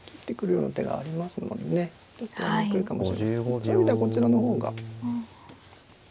そういう意味ではこちらの方が。